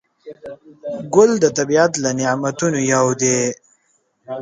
ګل د طبیعت له نعمتونو یو دی.